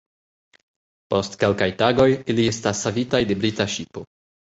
Post kelkaj tagoj, ili estas savitaj de brita ŝipo.